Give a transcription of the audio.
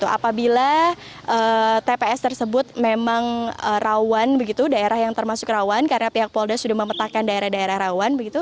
apabila tps tersebut memang rawan daerah yang termasuk rawan karena pihak polda sudah memetakkan daerah daerah rawan